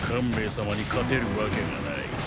様に勝てるわけがない。